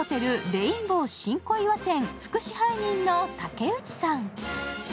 レインボー新小岩店副支配人の竹内さん。